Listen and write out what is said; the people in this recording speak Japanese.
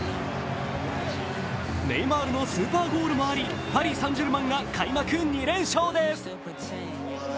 ネイマールのスーパーゴールもあり、パリ・サン＝ジェルマンが開幕２連勝です。